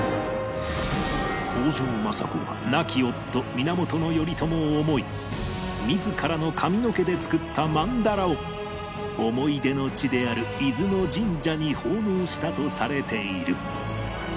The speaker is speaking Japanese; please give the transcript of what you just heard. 北条政子が亡き夫源頼朝を思い自らの髪の毛で作った曼荼羅を思い出の地である伊豆の神社に奉納したとされている